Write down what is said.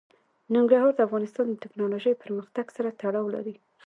ننګرهار د افغانستان د تکنالوژۍ پرمختګ سره تړاو لري.